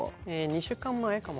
２週間前かも。